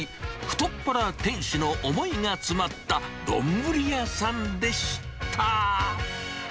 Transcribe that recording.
太っ腹店主の思いが詰まった丼屋さんでした。